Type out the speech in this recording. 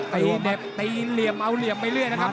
เหน็บตีเหลี่ยมเอาเหลี่ยมไปเรื่อยนะครับ